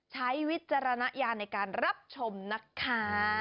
วิจารณญาณในการรับชมนะคะ